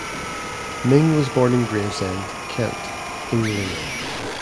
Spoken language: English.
Ming was born in Gravesend, Kent England.